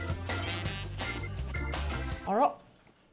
あら。